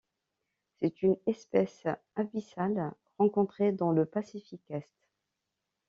C'est une espèce abyssale rencontrée dans le Pacifique est.